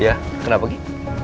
ya kenapa gi